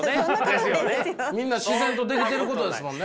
みんな自然とできてることですもんね。